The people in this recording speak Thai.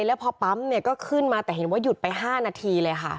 แล้วพอปั๊มเนี่ยก็ขึ้นมาแต่เห็นว่าหยุดไป๕นาทีเลยค่ะ